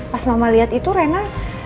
pas mama liat itu rina